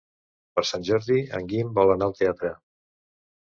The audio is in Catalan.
Per Sant Jordi en Guim vol anar al teatre.